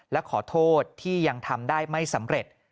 และขอโทษที่ยังทำได้ไม่สำเร็จ